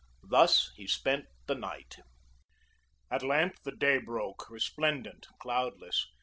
Thus he spent the night. At length, the day broke, resplendent, cloudless.